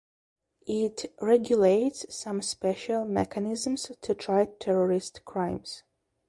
It "regulates some special mechanisms to try terrorist crimes".